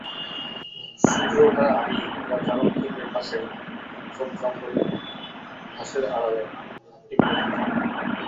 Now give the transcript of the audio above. সূর্য ওঠার আগেই এরা চারণক্ষেত্রের পাশে ঝোপজঙ্গলে, ঘাসের আড়ালে ঘাপটি মেরে থাকে।